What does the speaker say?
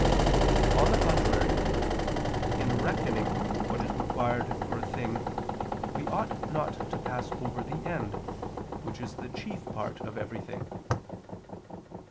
On the contrary, In reckoning what is required for a thing we ought not to pass over the end, which is the chief part of everything.